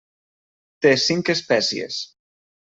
Té cinc espècies.